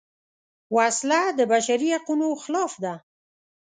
وسله د بشري حقونو خلاف ده